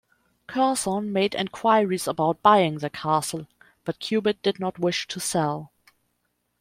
Curzon made enquiries about buying the castle, but Cubitt did not wish to sell.